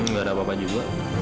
nggak ada apa apa juga